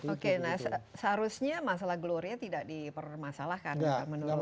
oke nah seharusnya masalah gloria tidak dipermasalahkan menurut anda